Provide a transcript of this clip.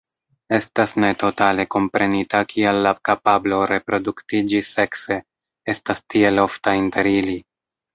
Estas ne totale komprenita kial la kapablo reproduktiĝi sekse estas tiel ofta inter ili.